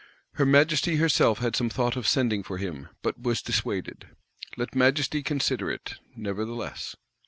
Her Majesty herself had some thought of sending for him; but was dissuaded. Let Majesty consider it, nevertheless.